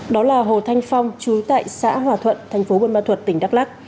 đó là hồ thanh phong trú tại xã hòa thuận thành phố bôn ma thuật tỉnh đắk lắc